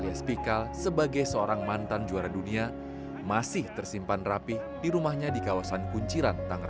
apa yang terjadi ini sudah penonton